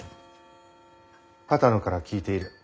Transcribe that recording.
波多野から聞いている。